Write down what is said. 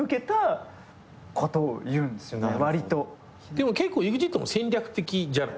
でも結構ＥＸＩＴも戦略的じゃない。